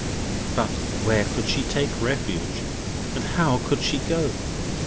But where could she take refuge, and how could she go?